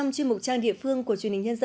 những người tạo nên linh hồn của văn hóa